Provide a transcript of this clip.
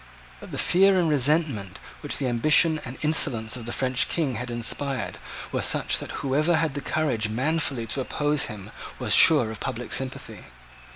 But the fear and resentment which the ambition and insolence of the French King had inspired were such that whoever had the courage manfully to oppose him was sure of public sympathy.